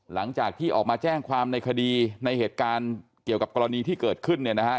หลังจากที่ออกมาแจ้งความในคดีในเหตุการณ์เกี่ยวกับกรณีที่เกิดขึ้นเนี่ยนะฮะ